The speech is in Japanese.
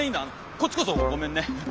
こっちこそごめんね。